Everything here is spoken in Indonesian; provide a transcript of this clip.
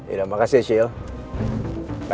yaudah makasih ya sheila